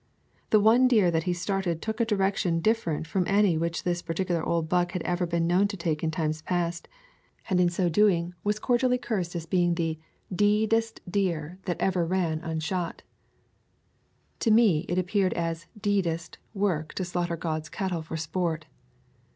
The one deer that he started took a direction different from any which this par ticular old buck had ever been known to take in times past, and in so doing was cordially cursed as being the "d. dest deer that ever [ 121 ] A Thousand Mile W alk ranunshot." To me it appeared as "d——dest"' work to slaughter God's cattle for sport.